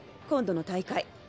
今度の大会。